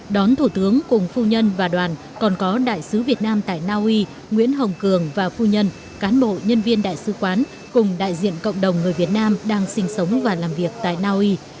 đón thủ tướng cùng phu nhân và đoàn còn có đại sứ việt nam tại naui nguyễn hồng cường và phu nhân cán bộ nhân viên đại sứ quán cùng đại diện cộng đồng người việt nam đang sinh sống và làm việc tại naui